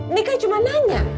nikah cuma nanya